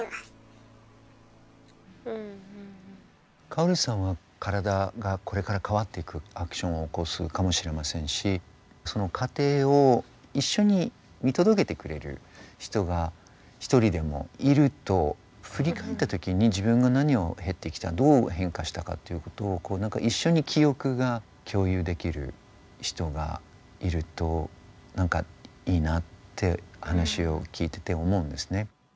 カオルさんは体がこれから変わっていくアクションを起こすかもしれませんしその過程を一緒に見届けてくれる人が一人でもいると振り返った時に自分が何を経てきてどう変化したかということを一緒に記憶が共有できる人がいると何かいいなって話を聞いてて思うんですね。